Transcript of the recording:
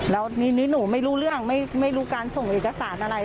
แล้วทีนี้หนูไม่รู้เรื่องไม่รู้การส่งเอกสารอะไร